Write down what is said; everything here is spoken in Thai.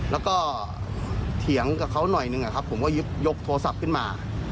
แล้วก็เถียงกับเขาหน่อยหนึ่งผมก็ยกโทรศัพท์ขึ้นมา